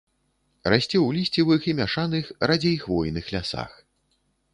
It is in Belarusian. Расце ў лісцевых і мяшаных, радзей хвойных лясах.